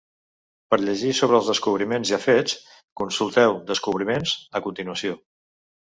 Per llegir sobre els descobriments ja fets, consulteu "Descobriments" a continuació.